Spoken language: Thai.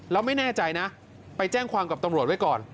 แล้วไม่แน่ใจนะไปแจ้งความกับตำรวจไว้ก่อน